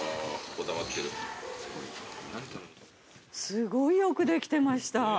すごいよくできてました。